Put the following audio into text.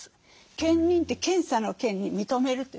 検認って検査の「検」に認めるという。